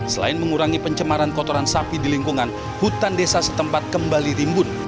selain mengurangi pencemaran kotoran sapi di lingkungan hutan desa setempat kembali rimbun